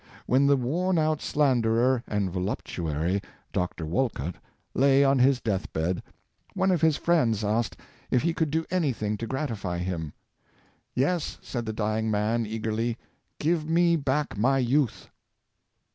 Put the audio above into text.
When the worn out slanderer and voluptuary. Dr. Wolcot, lay on his death bed, one of his friends asked if he could do any thing to gratify him. " Yes," said the dying man, eagerly, " give me back my youth."